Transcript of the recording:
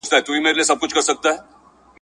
پکښي بند سول د مرغانو وزرونه !.